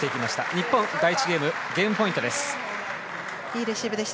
日本、第１ゲームゲームポイントです。